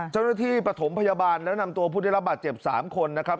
เจ้าหน้าที่ประถมพยาบาลแล้วนำตัวผู้ได้รับบาดเจ็บสามคนนะครับ